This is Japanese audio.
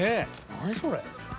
何それ。